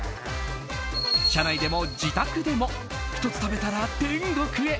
車内でも自宅でも１つ食べたら天国へ。